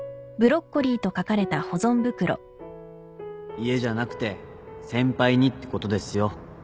家じゃなくて先輩にってことですよ